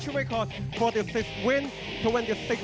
มุมแดง